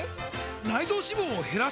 内臓脂肪を減らす！？